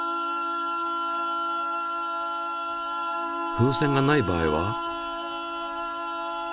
風船がない場合は。